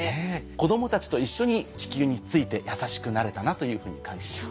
子供たちと一緒に地球についてやさしくなれたなというふうに感じました。